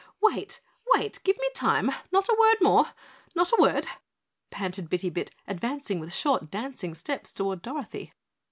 "Wait! Wait! Give me time! Not a word more not a word!" panted Bitty Bit, advancing with short dancing steps toward Dorothy.